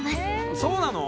そうなの？